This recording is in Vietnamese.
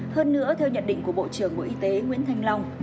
hơn nữa theo nhận định của bộ trưởng bộ y tế nguyễn thanh long